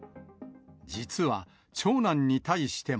実は長男に対しても。